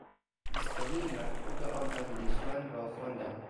بیستمین مکتوب آن اندیشمند را خواندم.